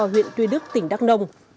huyện tuy đức tỉnh đắc nông